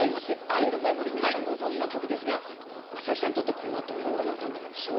「愛のメモリー」皆さんご存じの曲ですが松崎さんにとってこれはどのような歌になりますか？